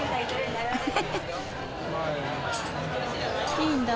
いいんだ。